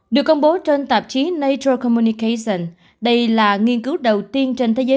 được công bố trên tạp chí nature communication đây là nghiên cứu đầu tiên trên thế giới